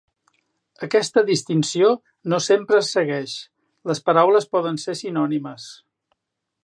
Aquesta distinció no sempre es segueix: les paraules poden ser sinònimes.